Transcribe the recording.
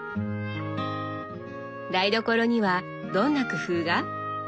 台所にはどんな工夫が？